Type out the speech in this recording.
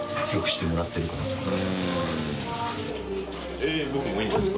えっ僕もいいんですか？